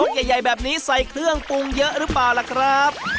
ใหญ่แบบนี้ใส่เครื่องปรุงเยอะหรือเปล่าล่ะครับ